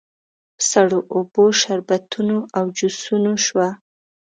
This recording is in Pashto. په سړو اوبو، شربتونو او جوسونو شوه.